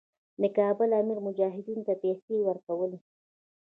د کابل امیر مجاهدینو ته پیسې ورکولې.